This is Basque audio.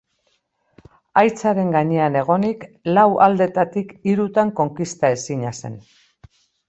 Haitzaren gainean egonik lau aldetatik hirutan konkistaezina zen.